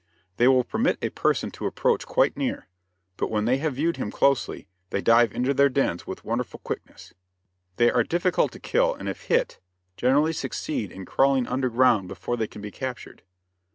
They will permit a person to approach quite near, but when they have viewed him closely, they dive into their dens with wonderful quickness. They are difficult to kill, and if hit, generally succeed in crawling underground before they can be captured.